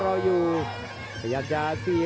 โอ้โหไม่พลาดกับธนาคมโด้แดงเขาสร้างแบบนี้